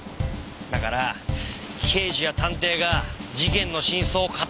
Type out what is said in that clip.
だから刑事や探偵が事件の真相を語るんですよ。